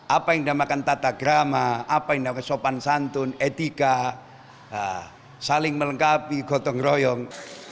apa yang dinamakan tata grama apa yang dinamakan sopan santun etika saling melengkapi gotong royong